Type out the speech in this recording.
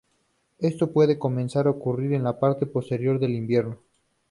Esto puede comenzar a ocurrir en la parte posterior del invierno.